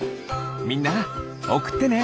みんなおくってね！